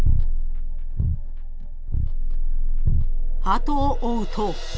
［後を追うと］